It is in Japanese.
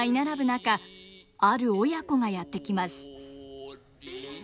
中ある親子がやって来ます。